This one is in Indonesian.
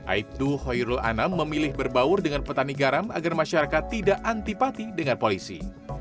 aibdu hoirul anam memilih berbaur dengan petani garam agar masyarakat tidak antipati dengan polisi